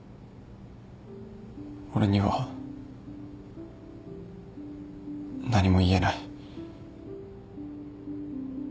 俺には何も言えない。